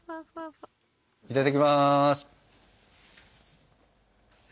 いただきます。